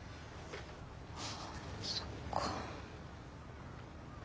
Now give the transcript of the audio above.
そっか。